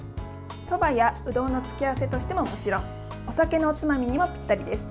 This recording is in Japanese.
そばや、うどんの付け合わせとしてももちろんお酒のおつまみにもぴったりです。